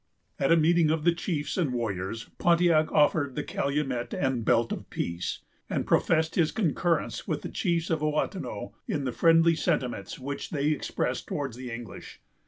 At a meeting of the chiefs and warriors, Pontiac offered the calumet and belt of peace, and professed his concurrence with the chiefs of Ouatanon in the friendly sentiments which they expressed towards the English.